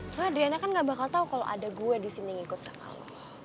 terus adriana kan gak bakal tau kalau ada gue disini ngikut sama lo